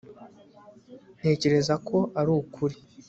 ntekereza ko ari ukuri